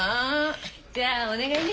じゃあお願いね。